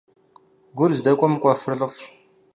Гур здэкӀуэм кӀуэфыр лӀыфӀщ.